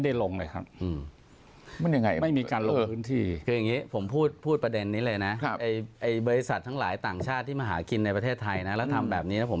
ทั้งที่ด้วยที่เกิดเหตุ